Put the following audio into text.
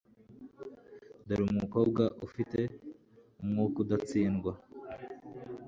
dore umukobwa ufite umwuka udatsindwa